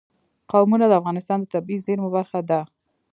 قومونه د افغانستان د طبیعي زیرمو برخه ده.